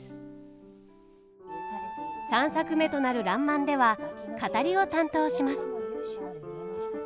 ３作目となる「らんまん」では語りを担当します。